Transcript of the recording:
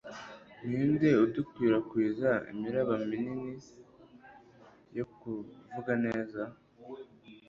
ninde udukwirakwiza imiraba nini yo kuvuga neza